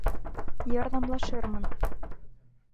Ярҙамлашырмын.